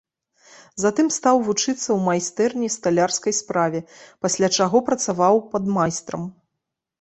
Затым стаў вучыцца ў майстэрні сталярскай справе, пасля чаго працаваў падмайстрам.